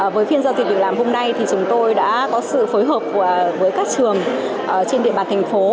với phiên giao dịch việc làm hôm nay thì chúng tôi đã có sự phối hợp với các trường trên địa bàn thành phố